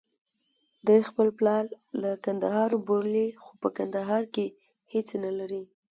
دی خپل پلار له کندهار بولي، خو په کندهار کې هېڅ نلري.